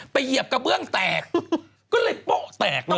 เหยียบกระเบื้องแตกก็เลยโป๊ะแตกเลย